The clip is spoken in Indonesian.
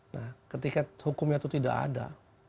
nah ketika hukumnya itu tidak ada